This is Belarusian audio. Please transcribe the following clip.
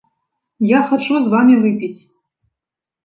Я хачу з вамі выпіць.